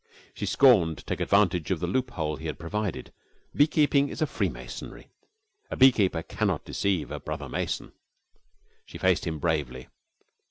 She scorned to take advantage of the loophole he had provided. Beekeeping is a freemasonry. A beekeeper cannot deceive a brother mason. She faced him bravely.